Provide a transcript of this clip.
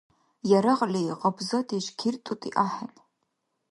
Ярагъли гъабзадеш кертӀути ахӀен.